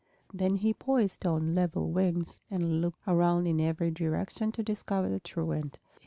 Then he poised on level wings and looked around in every direction to discover the truant.